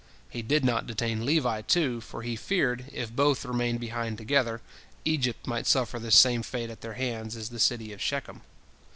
He did not detain Levi, too, for he feared, if both remained behind together, Egypt might suffer the same fate at their hands as the city of Shechem.